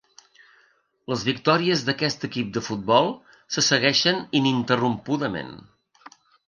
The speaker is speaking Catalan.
Les victòries d'aquest equip de futbol se segueixen ininterrompudament.